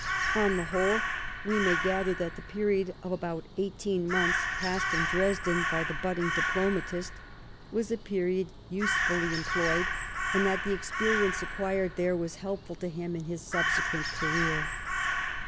On the whole, we may gather that the period of about eighteen months passed in Dresden by the budding diplomatist was a period usefully employed, and 10 LIFE OF PBINCE METTEBNWE. that the experience acquired there was helpful to hira in his subsequent career.